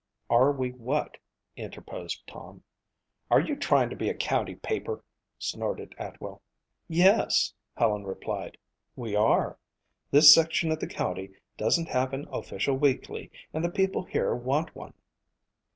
"Are we what?" interposed Tom. "Are you trying to be a county paper?" snorted Atwell. "Yes," replied Helen, "we are. This section of the county doesn't have an official weekly and the people here want one."